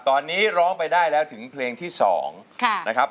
ตอนนี้ร้องไปได้แล้วถึงเพลงที่๒นะครับ